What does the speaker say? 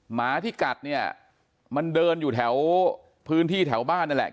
หมาที่กัดเนี่ยมันเดินอยู่แถวพื้นที่แถวบ้านนั่นแหละ